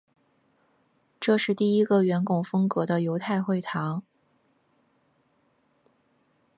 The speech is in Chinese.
这是第一个圆拱风格的犹太会堂。